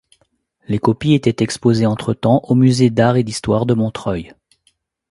Les copies étaient exposées entre-temps au musée d'art et d'histoire de Montreuil.